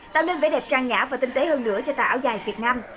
tạo nên vẽ đẹp trang nhã và tinh tế hơn nữa cho tài áo dài việt nam